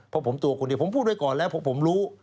เพราะผมตัวคุณดีผมพูดไว้ก่อนแล้วผมรู้